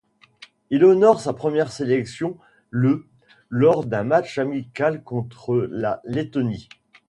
Il honore sa première sélection le lors d'un match amical contre la Lettonie.